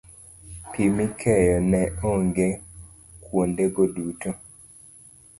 pi mikeyo ne onge kuondego duto